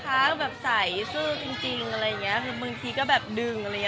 แบบใสสู้จริงอะไรอย่างเงี้ยคือบางทีก็แบบดึงอะไรอย่างนี้